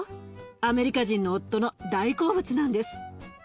アメリカ人の夫の大好物なんです。